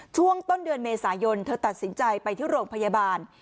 ช่วงต้นเดือนเมษายนเธอตัดสินใจไปที่โรงพยาบาล